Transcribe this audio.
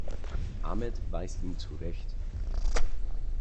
Ahmed weist ihn zurecht.